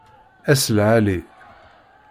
Ass lɛali!